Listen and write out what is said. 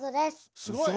すごい。